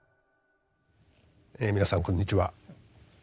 え皆さんこんにちは。